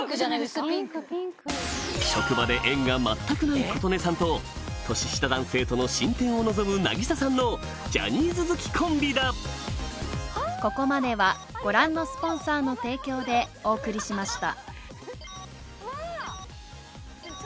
職場で縁が全くないことねさんと年下男性との進展を望むなぎささんのジャニーズ好きコンビだ来ました。